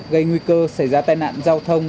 gây nguy cơ xảy ra tàn nạn giao thông